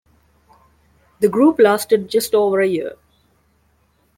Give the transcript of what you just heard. The group lasted just over a year.